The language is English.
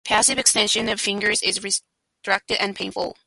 Passive extension of fingers is restricted and painful.